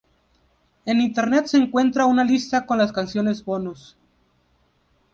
En Internet se encuentra una lista con las canciones bonus.